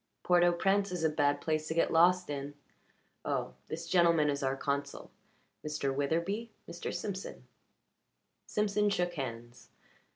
Port au Prince is a bad place to get lost in. Oh this gentleman is our consul. Mr. Witherbee Mr. Simpson." Simpson shook hands.